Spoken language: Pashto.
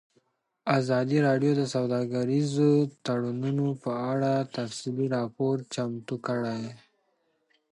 ازادي راډیو د سوداګریز تړونونه په اړه تفصیلي راپور چمتو کړی.